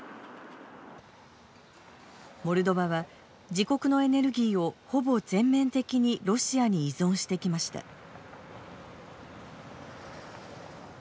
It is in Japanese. モルドバは自国のエネルギーをほぼ全面的にロシアに依存してきました。